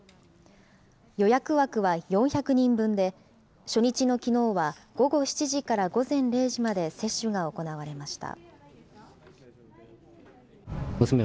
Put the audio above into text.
予約枠は４００人分で、初日のきのうは、午後７時から午前０時まで接種が行われました。